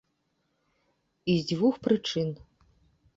І з дзвюх прычын.